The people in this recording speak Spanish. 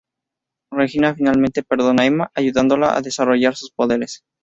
Regina finalmente perdona a Emma, ayudándola a desarrollar sus poderes.